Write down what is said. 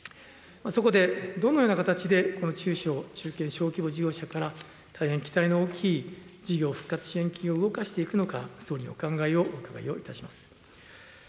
そこでどのような形でこの中小・中堅・小規模事業者から大変期待の大きい事業復活支援金を動かしていくのか、総理のお考えをお伺いをいたします。